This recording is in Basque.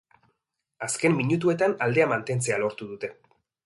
Azken minutuetan aldea mantentzea lortu dute.